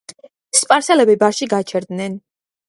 სპარსელები ბარში გაჩერდნენ.